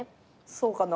そうかな。